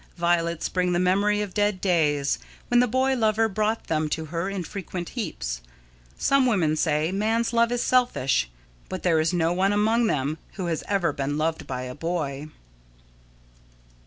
Violets bring the memory of dead days, when the boy lover brought them to her in fragrant heaps. Some women say man's love is selfish, but there is no one among them who has ever been loved by a boy.